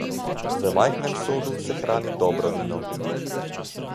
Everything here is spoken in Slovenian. V majhnem sodu se hrani dobro vino.